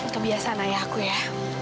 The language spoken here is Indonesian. kebiasaan ayahku ya